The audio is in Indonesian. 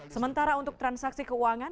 sementara untuk transaksi keuangan